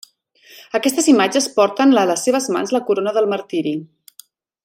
Aquestes imatges porten a les seves mans la corona del martiri.